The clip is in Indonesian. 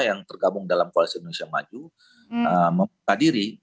yang tergabung dalam koalisi indonesia maju memperpadiri